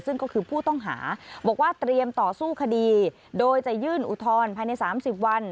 ซึ่งก็คือผู้ต้องหาบอกว่าเตรียมต่อสู้คดีโดยจะยื่นอุทธรณ์ภายใน๓๐วัน